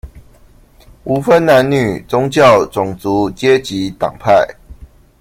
無分男女、宗教、種族、階級、黨派